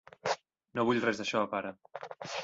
No vull res d'això, pare.